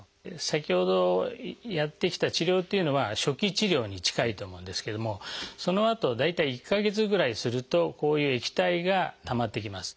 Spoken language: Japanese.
先ほどやってきた治療っていうのは初期治療に近いと思うんですけれどもそのあと大体１か月ぐらいするとこういう液体がたまってきます。